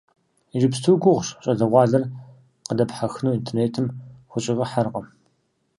Иджыпсту гугъущ щӏалэгъуалэр къыдэпхьэхыну, интернетым хущӀигъэхьэркъым.